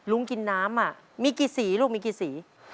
ลุ้งกินน้ำอ่ะมีกี่สีลูกมีกี่สี